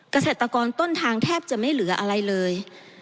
เกษตรกรต้นทางแทบจะไม่เหลืออะไรเลย